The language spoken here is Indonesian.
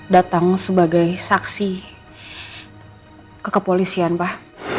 datang sebagai saksi kekepolisian pak